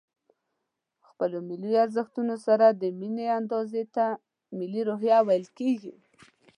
د خپلو ملي ارزښتونو سره د ميني اندازې ته ملي روحيه ويل کېږي.